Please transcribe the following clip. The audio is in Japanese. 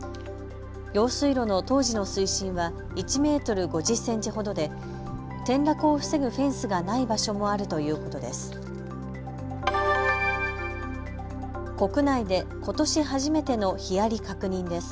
用水路の当時の水深は１メートル５０センチほどで転落を防ぐフェンスがない場所もあるということです。